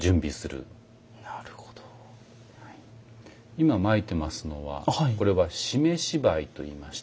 今まいてますのはこれは湿し灰と言いまして。